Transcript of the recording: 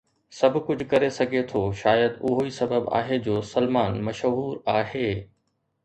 سڀ ڪجهه ڪري سگهي ٿو، شايد اهو ئي سبب آهي جو سلمان مشهور آهي